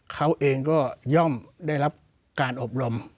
เขาเองก็ย่อมได้รับการอบรม